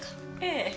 ええ。